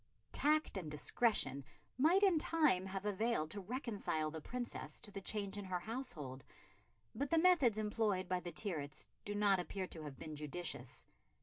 Tact and discretion might in time have availed to reconcile the Princess to the change in her household; but the methods employed by the Tyrwhitts do not appear to have been judicious.